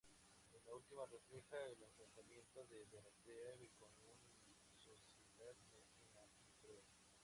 En la última, refleja el enfrentamiento de Dorotea con una sociedad mezquina y cruel.